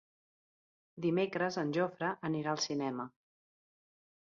Dimecres en Jofre anirà al cinema.